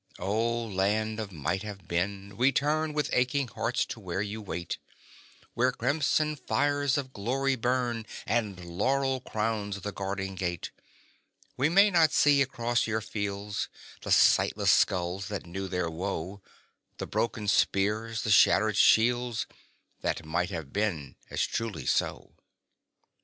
O "Land of Might Have Been," we turn With aching hearts to where you wait; Where crimson fires of glory burn, And laurel crowns the guarding gate; We may not see across your fields The sightless skulls that knew their woe The broken spears the shattered shields That "might have been" as truly so.